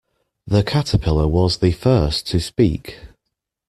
The Caterpillar was the first to speak.